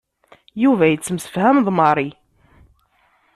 Yuba yettemsefham d Mary.